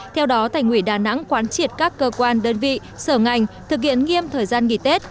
theo đó thành ủy đà nẵng quán triệt các cơ quan đơn vị sở ngành thực hiện nghiêm thời gian nghỉ tết